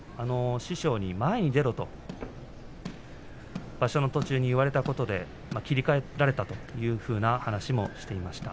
師匠には前に出ろと場所の途中に言われたことで切り替えたという話をしていました。